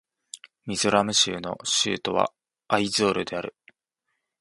ミゾラム州の州都はアイゾールである